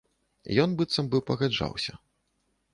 Ён быццам бы пагаджаўся.